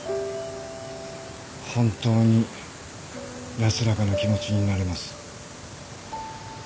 本当に安らかな気持ちになれます。